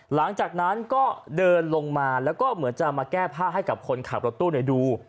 หลังจากนั้นก็เดินลงมาแล้วก็เหมือนจะมาแก้ผ้าให้กับคนขับรถตู้ดู